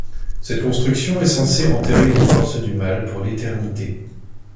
Cette construction est censée enterrer les forces du Mal pour l'éternité.